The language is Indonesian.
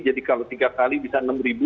jadi kalau tiga kali bisa enam ribu